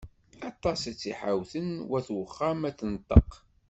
Aṭas i tt-ḥiwten wat uxxam ad d-tenṭeq.